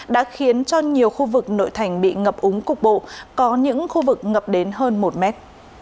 đã khiến cho nhiều khu vực nội thành bị ngập úng cục bộ có những khu vực ngập đến hơn một mét